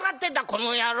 この野郎」。